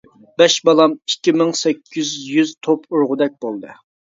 بەش بالام ئىككى مىڭ سەككىز يۈز توپ ئۇرغۇدەك بولدى.